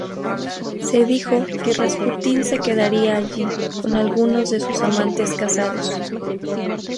Se dijo que Rasputín se quedaría allí con algunos de sus amantes casados.